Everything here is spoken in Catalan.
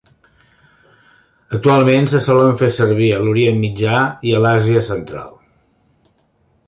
Actualment se solen fer servir a l'Orient Mitjà i a l'Àsia Central.